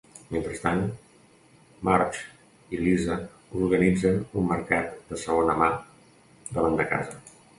Mentrestant, Marge i Lisa organitzen un mercat de segona mà davant de casa.